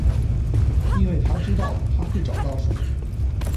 因为他知道他会找到什么。